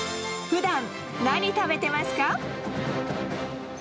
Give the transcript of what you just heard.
ふだん何食べてますか？